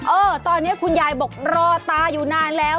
เออตอนนี้คุณยายบอกรอตาอยู่นานแล้ว